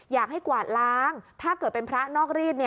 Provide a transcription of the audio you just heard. กวาดล้างถ้าเกิดเป็นพระนอกรีด